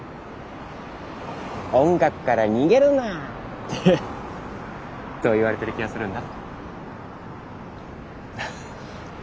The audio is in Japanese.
「音楽から逃げるな！」ってそう言われてる気がするんだ。